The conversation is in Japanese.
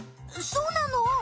そうなの？